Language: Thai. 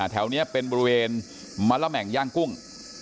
แถวนี้เป็นบริเวณมะละแหม่งย่างกุ้ง